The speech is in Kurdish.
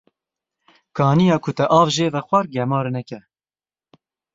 Kaniya ku te av jê vexwar, gemar neke.